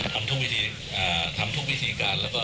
ทำทุกวิธีทำทุกวิธีการแล้วก็